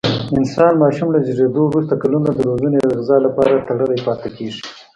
انسان ماشوم له زېږېدو وروسته کلونه د روزنې او غذا لپاره تړلی پاتې کېږي.